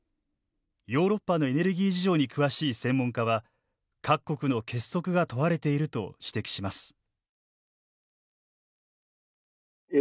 ヨーロッパのエネルギー事情に詳しい専門家は各国の結束が問われていると指摘します。